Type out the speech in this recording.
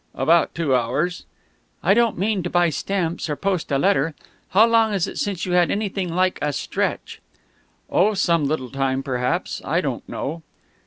"About two hours." "I don't mean to buy stamps or to post a letter. How long is it since you had anything like a stretch?" "Oh, some little time perhaps. I don't know."